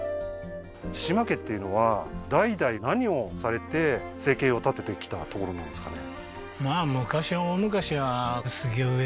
千島家っていうのは代々何をされて生計を立ててきたところなんですかね？